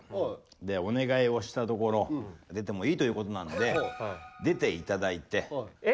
でお願いをしたところ出てもいいということなんで出て頂いて。